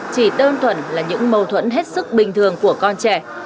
chỉ tương thuận là những mâu thuẫn hết sức bình thường của con trẻ